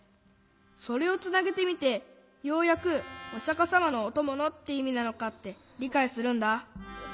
それをつなげてみてようやく「おしゃかさまのおともの」っていみなのかってりかいするんだ。